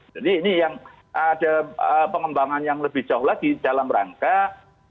jadi ini yang ada pengembangan yang lebih jauh lagi dalam rangka untuk sistem uang